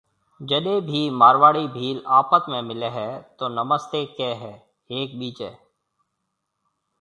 جڏيَ ڀِي مارواڙِي ڀيل آپت ۾ ملي هيَ تو نمستيَ ڪهيَ هيَ هيَڪ ٻِيجيَ۔